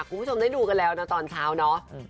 คุณผู้ชมได้ดูกันแล้วนะตอนเช้าเนอะ